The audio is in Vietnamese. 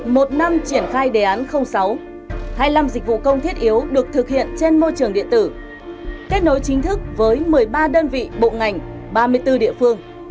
một năm triển khai đề án sáu hai mươi năm dịch vụ công thiết yếu được thực hiện trên môi trường điện tử kết nối chính thức với một mươi ba đơn vị bộ ngành ba mươi bốn địa phương